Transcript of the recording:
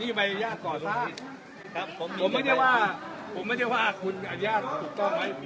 นี่ใบญาติก่อทางผมไม่ได้ว่าคุณอาทิตยาติถูกต้องไหม